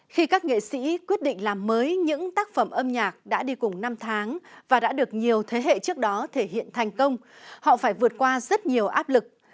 khi các nghệ sĩ quyết định làm mới những tác phẩm âm nhạc đã đi cùng năm tháng và đã được nhiều thế hệ trước đó thể hiện thành công họ phải vượt qua rất nhiều áp lực